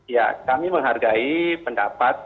ya kami menghargai pendapat